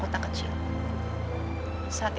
kecil dari alam rumah besar